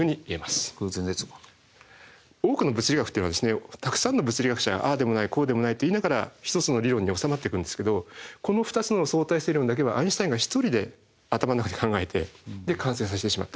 多くの物理学というのはたくさんの物理学者が「ああでもないこうでもない」と言いながら１つの理論に収まっていくんですけどこの２つの相対性理論だけはアインシュタインが１人で頭の中で考えてで完成させてしまったと。